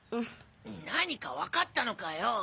何かわかったのかよ。